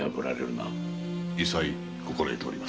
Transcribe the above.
委細心得ております。